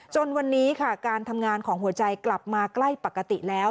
จนวันนี้ค่ะการทำงานของหัวใจกลับมาใกล้ปกติแล้ว